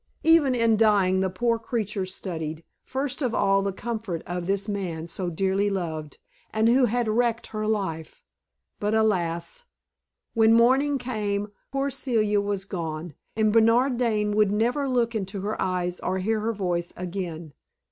Even in dying, the poor creature studied, first of all the comfort of this man so dearly loved, and who had wrecked her life. But alas! when morning came, poor Celia was gone, and Bernard Dane would never look into her eyes or hear her voice again.